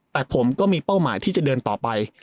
แต่ผมก็มีเป้าหมายที่จะเดินต่อไป